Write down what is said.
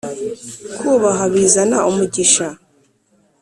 kubaha Bizana umugisha